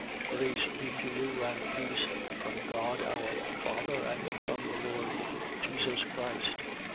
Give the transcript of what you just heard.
1:3. Grace be to you and peace, from God our Father and from the Lord Jesus Christ.